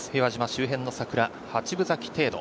周辺の桜、八分咲き程度。